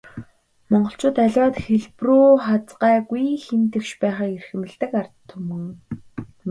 Монголчууд аливаад хэлбэрүү хазгайгүй, хэм тэгш байхыг эрхэмлэдэг ард түмэн.